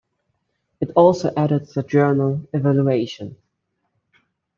It also edits the journal "Evaluation".